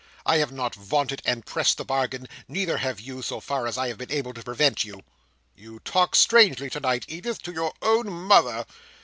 I have not vaunted and pressed the bargain; neither have you, so far as I have been able to prevent you. "You talk strangely tonight, Edith, to your own Mother."